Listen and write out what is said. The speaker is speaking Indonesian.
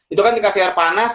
itu kan dikasih air panas